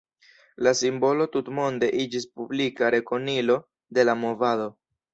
La simbolo tutmonde iĝis publika rekonilo de la movado.